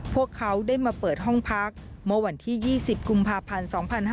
พวกเขาได้มาเปิดห้องพักเมื่อวันที่๒๐กุมภาพันธ์๒๕๕๙